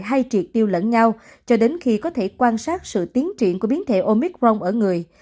hay triệt tiêu lẫn nhau cho đến khi có thể quan sát sự tiến triển của biến thể omicron ở người